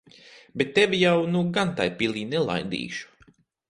Bet tevi jau nu gan tai pilī nelaidīšu.